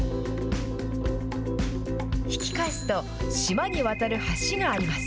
引き返すと、島に渡る橋があります。